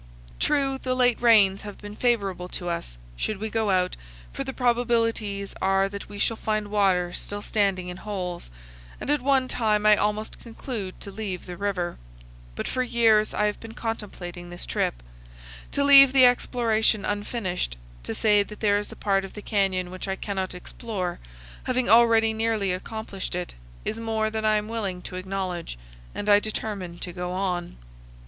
True, the late rains have been favorable to us, should we go out, for the probabilities are that we shall find water still standing in holes; and at one time I almost conclude to leave the river. But for years I have powell canyons 174.jpg CLIMBING THE GRAND CANYON WALL. 280 CANYONS OF THE COLORADO. been contemplating this trip. To leave the exploration unfinished, to say that there is a part of the canyon which I cannot explore, having already nearly accomplished it, is more than I am willing to acknowledge, and I determine to go on.